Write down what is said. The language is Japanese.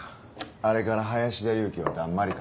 あれから林田裕紀はだんまりか？